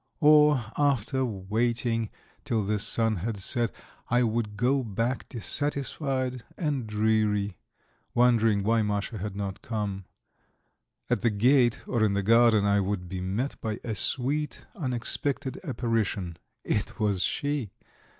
Or, after waiting till the sun had set, I would go back dissatisfied and dreary, wondering why Masha had not come; at the gate or in the garden I would be met by a sweet, unexpected apparition it was she!